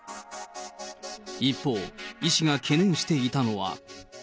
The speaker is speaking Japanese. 一方、医師が懸念していたのは。